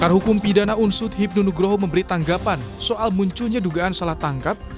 pakar hukum pidana unsut hibnu nugroho memberi tanggapan soal munculnya dugaan salah tangkap